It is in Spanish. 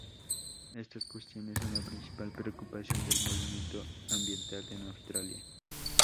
Estas cuestiones son la principal preocupación del movimiento ambiental en Australia.